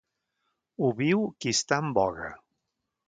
Ho viu qui està en voga.